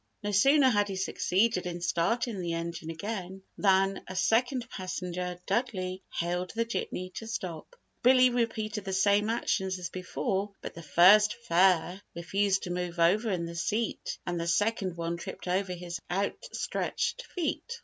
No sooner had he succeeded in starting the engine again, than a second passenger (Dudley) hailed the jitney to stop. Billy repeated the same actions as before but the first "fare" refused to move over in the seat and the second one tripped over his outstretched feet.